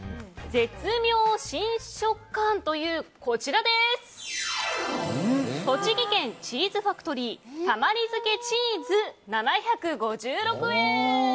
絶妙新食感という、こちら栃木県チーズファクトリーたまり漬けチーズ、７５６円。